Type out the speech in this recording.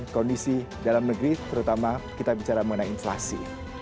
kondisi dalam negeri terutama kita bicara mengenai inflasi